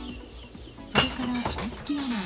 それから、ひと月余り。